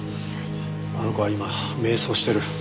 あの子は今迷走してる。